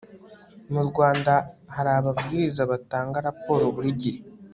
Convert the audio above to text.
mu rwanda hari ababwiriza batanga raporo buri gihe